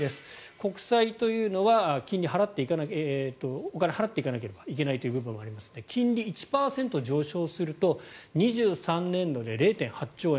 国債というのはお金を払っていかないといけない部分がありますので金利１％上昇すると２３年度で０．８兆円。